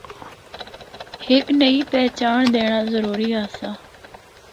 ہک نئی پہچانڑ دینڑا ضروری آسا۔